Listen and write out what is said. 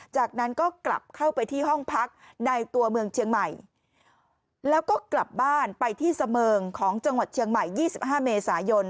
จากนั้นก็กลับเข้าไปที่ห้องพักในตัวเมืองเชียงใหม่แล้วก็กลับบ้านไปที่เสมิงของจังหวัดเชียงใหม่๒๕เมษายน